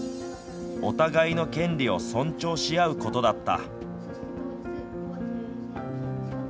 お互いの権利を尊重しあうことだった。